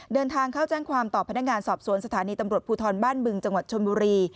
เดินทางเข้าแจ้งความต่อพนักงานสอบสวนสถานีตำรวจภูทรบ้านบึงจังหวัดชนบุรี